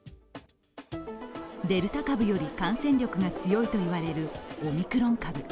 デルタ株より感染力が強いといわれるオミクロン株。